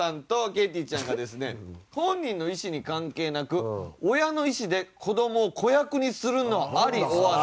ＫＴちゃんがですね「本人の意思に関係なく親の意思で子どもを子役にするのはアリｏｒナシ」。